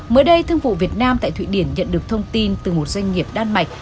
mới đây thương vụ việt nam tại thụy điển nhận được thông tin từ một doanh nghiệp đan mạch